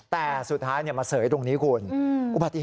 แต่สุดท้ายมาเสยตรงนี้